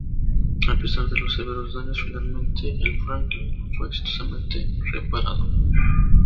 A pesar de los severos daños, finalmente el "Franklin" fue exitosamente reparado.